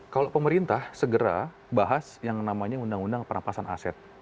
kalau pemerintah segera bahas yang namanya undang undang perampasan aset